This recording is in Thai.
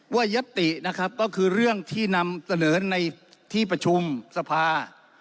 ว่ายศติก็คือเรื่องที่นำเสนอในที่ประชุมสภา